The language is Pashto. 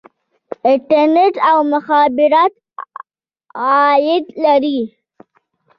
انټرنیټ او مخابرات عاید لري